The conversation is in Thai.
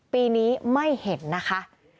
ปีนี้ไม่เห็นนะคะ